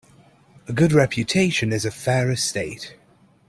A good reputation is a fair estate.